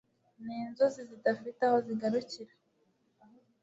ninzuzi zidafite aho zigarukira